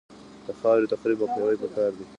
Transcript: د خاورې تخریب مخنیوی پکار دی